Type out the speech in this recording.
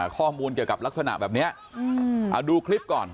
ข้อมูลเกี่ยวกับลักษณะแบบนี้เอาดูคลิปก่อน